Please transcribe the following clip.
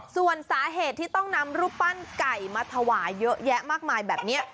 ส่วนสาเหตุที่ต้องนำรูปปั้นไก่มาถวายเยอะแยะมากมายแบบนี้